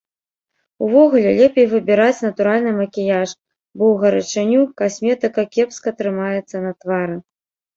Увогуле лепей выбіраць натуральны макіяж, бо ў гарачыню касметыка кепска трымаецца на твары.